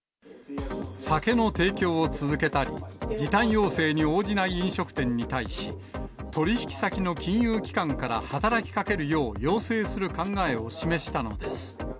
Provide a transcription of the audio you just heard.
酒の提供を続けたり、時短要請に応じない飲食店に対し、取り引き先の金融機関から働きかけるよう要請する考えを示したのです。